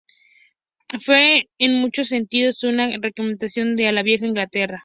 Fue en muchos sentidos, una recreación de la vieja Inglaterra.